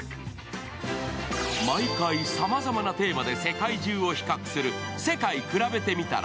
毎回さまざまなテーマで世界中を比較する「世界くらべてみたら」。